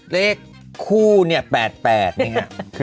เลขคู่เนี่ย๘๘นี่ค่ะ